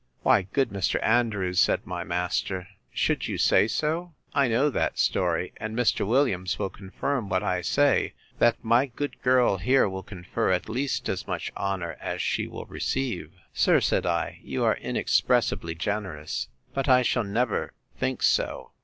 Why, good Mr. Andrews, said my master, should you say so?—I know that story, and Mr. Williams will confirm what I say, that my good girl here will confer at least as much honour as she will receive. Sir, said I, you are inexpressibly generous; but I shall never think so.